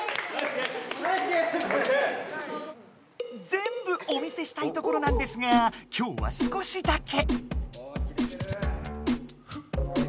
ぜんぶお見せしたいところなんですが今日は少しだけ。